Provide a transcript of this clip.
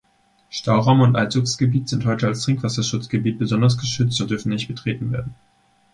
Stauraum und Einzugsgebiet sind heute als Trinkwasserschutzgebiet besonders geschützt und dürfen nicht betreten werden.